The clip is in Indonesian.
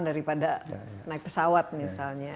daripada naik pesawat misalnya